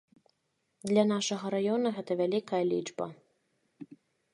Для нашага раёна гэта вялікая лічба.